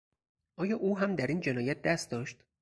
آیا او هم در این جنایت دست داشت؟